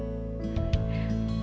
papa mau datang